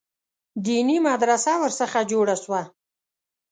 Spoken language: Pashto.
دیني مدرسه ورڅخه جوړه سوه.